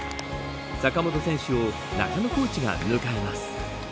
坂本選手を中野コーチが向かえます。